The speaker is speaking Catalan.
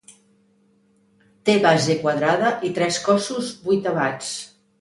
Té base quadrada i tres cossos vuitavats.